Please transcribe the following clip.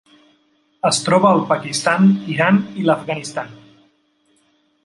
Es troba al Pakistan, Iran i l'Afganistan.